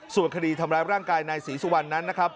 ส่วนคดีทำร้ายร่างกายนายศรีสุวรรณนั้นนะครับ